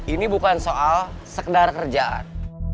ini bukan soal sekedar kerjaan